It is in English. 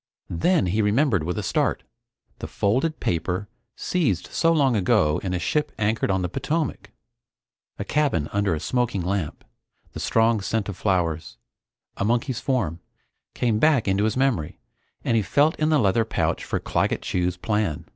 Then he remembered with a start the folded paper seized so long ago in a ship anchored on the Potomac. A cabin under a smoking lamp, the strong scent of flowers, a monkey's form, came back into his memory and he felt in the leather pouch for Claggett Chew's plan.